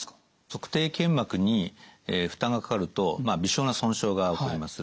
足底腱膜に負担がかかると微小な損傷が起こります。